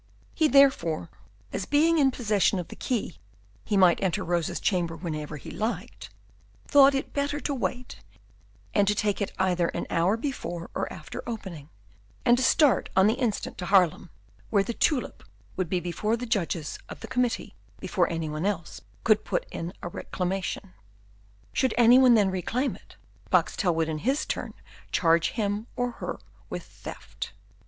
He therefore as being in possession of the key, he might enter Rosa's chamber whenever he liked thought it better to wait and to take it either an hour before or after opening, and to start on the instant to Haarlem, where the tulip would be before the judges of the committee before any one else could put in a reclamation. Should any one then reclaim it, Boxtel would in his turn charge him or her with theft.